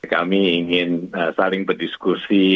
kami ingin saling berdiskusi